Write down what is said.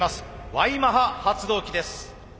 Ｙマハ発動機です。